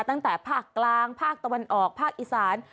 ตั้งแต่ภาคกลางภาคตะวันออกภาคอีสาน